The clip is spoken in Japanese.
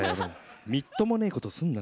みっともねえことすんな。